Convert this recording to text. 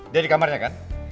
dia di kamarnya kan